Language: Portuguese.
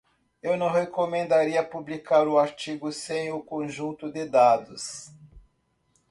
Eu não recomendaria publicar o artigo sem o conjunto de dados.